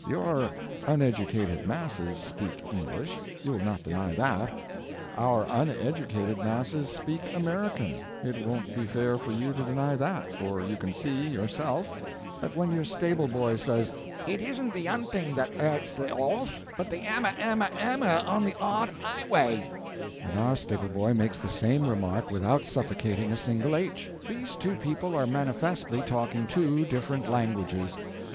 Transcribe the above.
Your uneducated masses speak English, you will not deny that; our uneducated masses speak American it won't be fair for you to deny that, for you can see, yourself, that when your stable boy says, 'It isn't the 'unting that 'urts the 'orse, but the 'ammer, 'ammer, 'ammer on the 'ard 'ighway,' and our stable boy makes the same remark without suffocating a single h, these two people are manifestly talking two different languages.